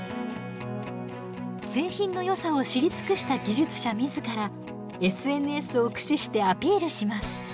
製品のよさを知り尽くした技術者自らＳＮＳを駆使してアピールします。